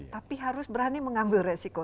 tapi harus berani mengambil resiko